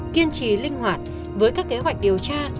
kiên trì linh hoạt với các kế hoạch điều tra